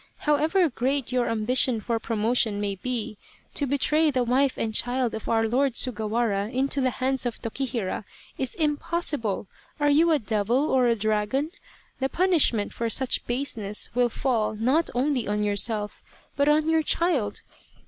However great your ambition for 1 86 Loyal, Even Unto Death promotion may be, to betray the wife and child of our Lord Sugawara into the hands of Tokihira is im possible. Are you a devil or a dragon ? The punish ment for such baseness will fall not only on yourself, but on your child.